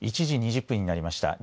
１時２０分になりました。